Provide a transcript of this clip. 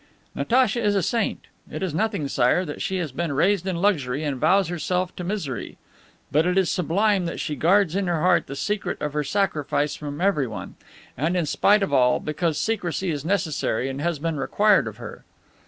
"Natacha is a saint. It is nothing, Sire, that she has been raised in luxury, and vows herself to misery; but it is sublime that she guards in her heart the secret of her sacrifice from everyone, and, in spite of all, because secrecy is necessary and has been required of her.